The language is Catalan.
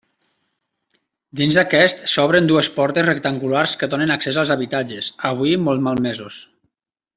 Dins aquest s'obren dues portes rectangulars que donen accés als habitatges, avui molt malmesos.